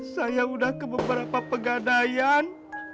saya sudah ke beberapa pegadaian